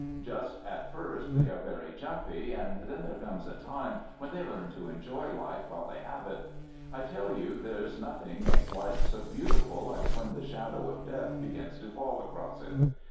Just at first they are very jumpy, and then there comes a time when they learn to enjoy life while they have it. I tell you, there's nothing makes life so beautiful as when the shadow of death begins to fall across it.